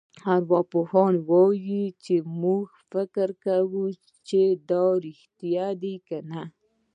ارواپوهان وايي چې موږ فکر کوو چې دا رېښتیا دي کنه.